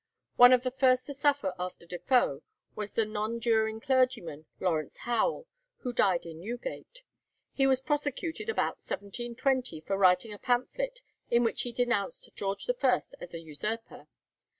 One of the first to suffer after Defoe was the nonjuring clergyman Lawrence Howell, who died in Newgate. He was prosecuted about 1720 for writing a pamphlet in which he denounced George I. as a usurper.